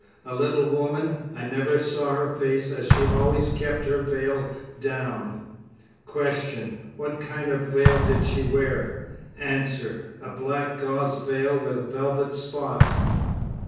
A little woman; I never saw her face, as she always kept her veil down. Q. What kind of a veil did she wear? A. A black gauze veil with velvet spots.